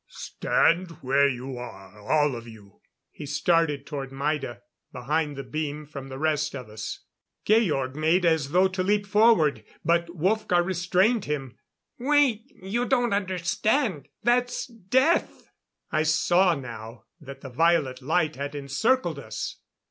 "Stand where you are, all of you." He started toward Maida, behind the beam from the rest of us. Georg made as though to leap forward, but Wolfgar restrained him. "Wait! You don't understand that's death!" I saw now that the violet light had encircled us.